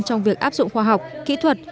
trong việc áp dụng khoa học kỹ thuật